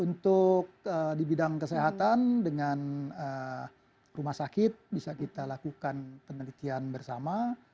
untuk di bidang kesehatan dengan rumah sakit bisa kita lakukan penelitian bersama